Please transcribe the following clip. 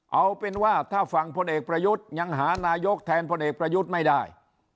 เอาเป็นว่าถ้าฝั่งพลเอกประยุทธ์ยังหานายกแทนพลเอกประยุทธ์ไม่ได้